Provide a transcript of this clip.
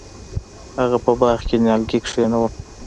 هغه په باغ کې نیالګي کینول.